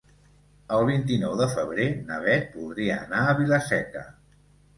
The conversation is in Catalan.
El vint-i-nou de febrer na Beth voldria anar a Vila-seca.